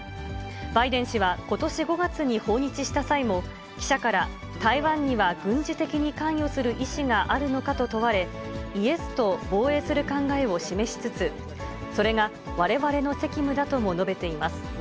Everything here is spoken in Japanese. バイデン氏は、ことし５月に訪日した際も、記者から台湾には軍事的に関与する意思があるのかと問われ、イエスと、防衛する考えを示しつつ、それがわれわれの責務だとも述べています。